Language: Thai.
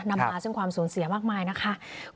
นำมาซึ่งความสูญเสียมากมายนะคะ